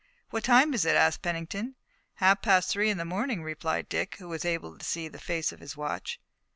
"What time is it?" asked Pennington. "Half past three in the morning," replied Dick, who was able to see the face of his watch.